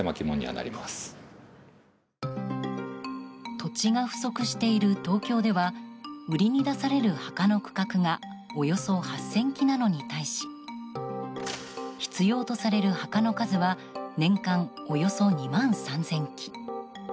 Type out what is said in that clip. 土地が不足している東京では売りに出される墓の区画がおよそ８０００基なのに対し必要とされる墓の数は年間およそ２万３０００基。